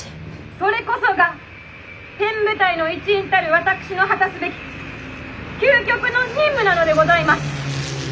「それこそがペン部隊の一員たる私の果たすべき究極の任務なのでございます！」。